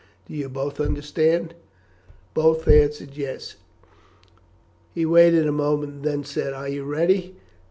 Do you both understand that?" Both answered "Yes." He waited a moment, and then said "Are you ready?"